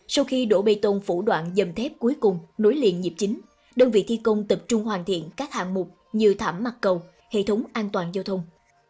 sau khi đổ bê tông phủ đoạn dầm thép cuối cùng nối liền nhịp chính đơn vị thi công tập trung hoàn thiện các hạng mục như thảm mặt cầu hệ thống an toàn giao thông